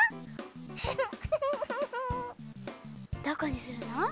どこにするの？